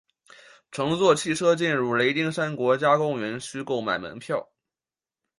乘坐汽车进入雷丁山国家公园需购买门票。